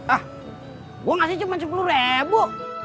ah gue ngasih cuma sepuluh ribu